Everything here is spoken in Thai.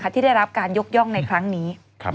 ที่ได้รับการยกย่องในครั้งนี้